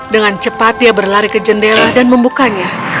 dengan cepat dia berlari ke jendela dan membukanya